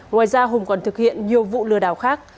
ngoài ra hùng còn thực hiện nhiều vụ lừa đảo khác